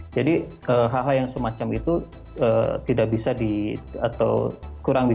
jadi hal hal yang semacam itu kurang bisa diantisipasi oleh klub maupun klub tersebut